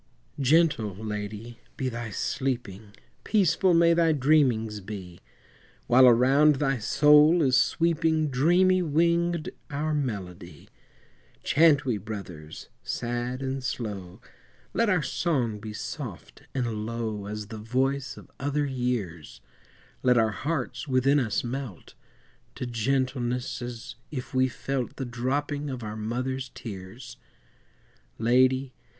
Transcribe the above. Gentle, Lady, be thy sleeping, Peaceful may thy dreamings be, While around thy soul is sweeping, Dreamy winged, our melody; Chant we, Brothers, sad and slow, Let our song be soft and low As the voice of other years, Let our hearts within us melt, To gentleness, as if we felt The dropping of our mother's tears. Lady!